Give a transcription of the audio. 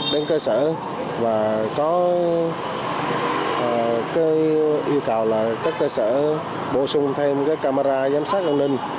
đến cơ sở và có yêu cầu là các cơ sở bổ sung thêm camera giám sát an ninh